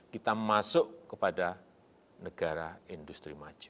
kita masuk kepada negara industri maju